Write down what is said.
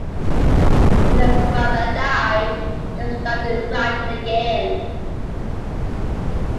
When their brother died, they started writing again.